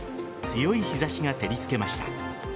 強い日差しが照りつけました。